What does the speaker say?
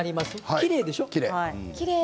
きれいでしょ。